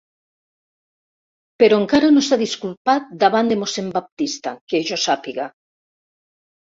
Però encara no s'ha disculpat davant de mossèn Baptista, que jo sàpiga.